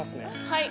はい。